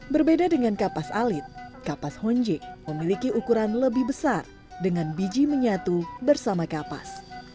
berbeda dengan kapas alit kapas honjek memiliki ukuran lebih besar dengan biji menyatu bersama kapas